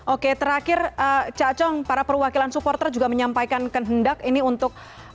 oke terakhir cak cong para perwakilan supporter juga menyampaikan kehendak ini untuk